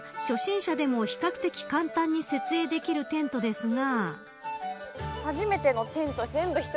使うのは初心者でも比較的簡単に設営できるテントですが。